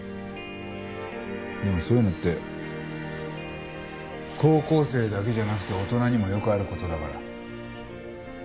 でもそういうのって高校生だけじゃなくて大人にもよくある事だから。